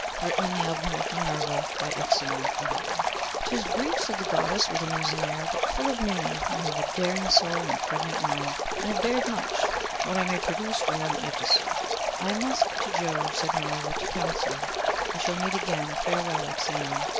Written in the Album of Minerva, by Ixion in Heaven._ ''Tis brief,' said the Goddess, with a musing air, 'but full of meaning. You have a daring soul and pregnant mind.' 'I have dared much: what I may produce we have yet to see.' 'I must to Jove,' said Minerva, 'to council. We shall meet again. Farewell, Ixion.